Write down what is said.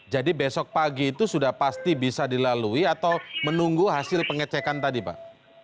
besok pagi itu sudah pasti bisa dilalui atau menunggu hasil pengecekan tadi pak